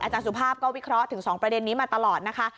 สุภาพก็วิเคราะห์ถึง๒ประเด็นนี้มาตลอดนะคะ